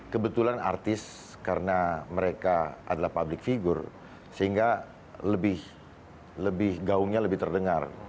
kebetulan artis karena mereka adalah public figure sehingga lebih gaungnya lebih terdengar